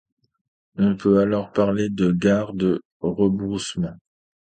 On peut alors parler de gare de rebroussement.